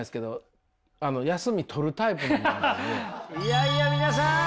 いやいや皆さん！